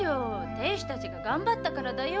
亭主たちが頑張ったからだよ。